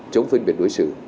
chống phân biệt đối xử